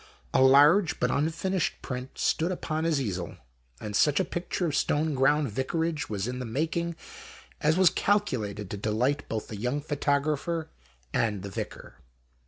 A large but unfinished print stood upon his easel, and such a picture of Stoneground Vicarage was in the making as was calculated to delight both the young photographer and the Vicar.